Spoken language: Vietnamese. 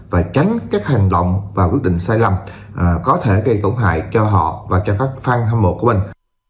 và tránh các hành động và quyết định sai lầm có thể gây tổn hại cho họ và cho các fan hâm mộ của mình